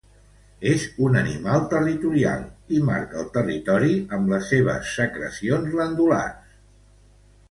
És un animal territorial i marca el territori amb les seves secrecions glandulars.